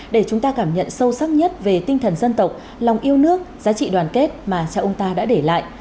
để chúng ta cảm nhận sâu sắc nhất về tinh thần dân tộc lòng yêu nước giá trị đoàn kết mà cha ông ta đã để lại